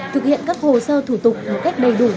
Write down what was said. thực hiện các hồ sơ thủ tục một cách đầy đủ